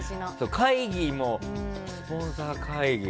会議もスポンサー会議。